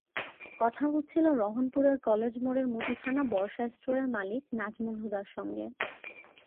কথা হচ্ছিল রহনপুরের কলেজ মোড়ের মুদিখানা বর্ষা স্টোরের মালিক নাজমুল হুদার সঙ্গে।